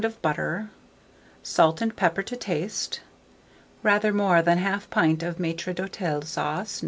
of butter, salt and pepper to taste, rather more than 1/2 pint of Maître d'hôtel sauce No.